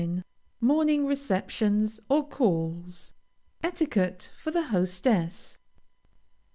MORNING RECEPTIONS OR CALLS. ETIQUETTE FOR THE HOSTESS.